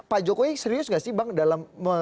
pak jokowi serius gak sih bang dalam